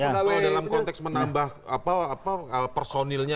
kalau dalam konteks menambah personilnya